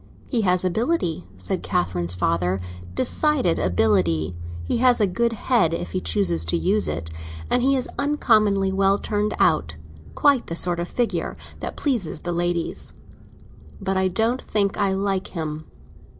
"He has ability," said Catherine's father, "decided ability; he has a very good head if he chooses to use it. And he is uncommonly well turned out; quite the sort of figure that pleases the ladies. But I don't think I like him."